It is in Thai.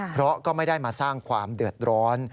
เพราะก็ไม่ได้มาสร้างความเดือดร้อน